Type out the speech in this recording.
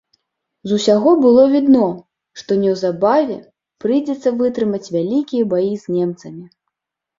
З усяго было відно, што неўзабаве прыйдзецца вытрымаць вялікія баі з немцамі.